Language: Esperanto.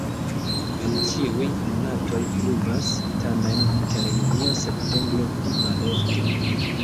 En ĉiuj monatoj pluvas, tamen inter junio-septembro pli malofte.